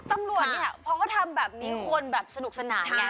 ตำรวจเนี่ยพอทำแบบมีคนแบบสนุกสนานเนี่ย